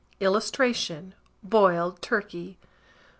[Illustration: BOILED TURKEY.